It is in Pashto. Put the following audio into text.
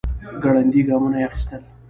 ګړندي ګامونه يې اخيستل.